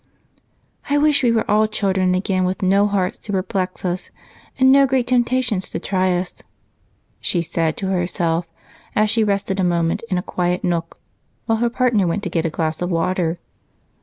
"I wish we were all children again, with no hearts to perplex us and no great temptations to try us," she said to herself as she rested a minute in a quiet nook while her partner went to get a glass of water.